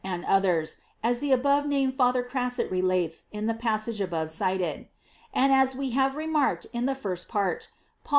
and others, as the above named Father Crasset relates in the passage above cited. And as we have remark ed in the first part,* Paul V.